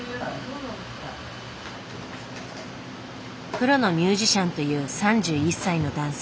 プロのミュージシャンという３１歳の男性。